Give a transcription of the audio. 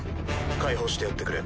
解放してやってくれ。